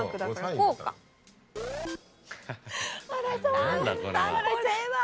これは。